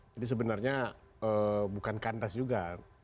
jadi sebenarnya bukan kandas juga